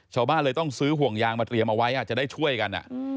ชาวบ้านเลยต้องซื้อห่วงยางมาเตรียมเอาไว้จะได้ช่วยกัน